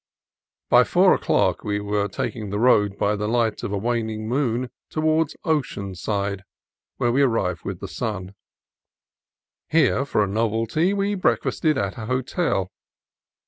By four o'clock we were taking the road by the light of a waning moon toward Oceanside, where we arrived with the sun. Here, for a novelty, we break fasted at a hotel.